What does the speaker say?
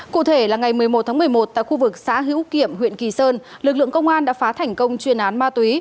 cụ thể là ngày một mươi một tháng một mươi một tại khu vực xã hữu kiệm huyện kỳ sơn lực lượng công an đã phá thành công chuyên án ma túy